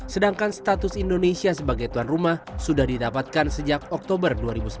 sedangkan status indonesia sebagai tuan rumah sudah didapatkan sejak oktober dua ribu sembilan belas